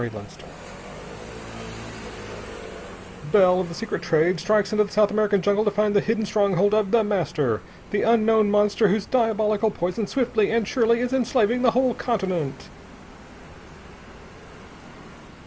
_"] [Sidenote: Bell, of the secret "Trade," strikes into the South American jungle to find the hidden stronghold of The Master the unknown monster whose diabolical poison swiftly and surely is enslaving the whole continent.